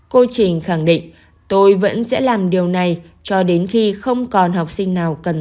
cô trình khẳng định tôi vẫn sẽ làm điều này cho đến khi không còn học sinh nào cần